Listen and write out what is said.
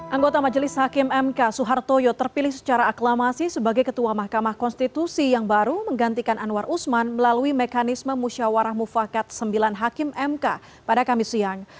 anggota majelis hakim mk soehartoyo terpilih secara aklamasi sebagai ketua mahkamah konstitusi yang baru menggantikan anwar usman melalui mekanisme musyawarah mufakat sembilan hakim mk pada kamis siang